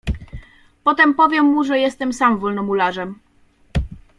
"Potem powiem mu, że jestem sam Wolnomularzem."